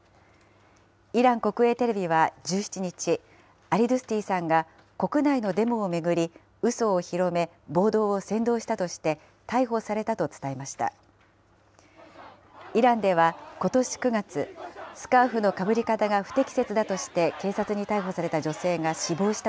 イラン国営テレビは１７日、アリドゥスティさんが国内のデモを巡り、うそを広め、暴動を扇動したとして逮捕されたと伝えました。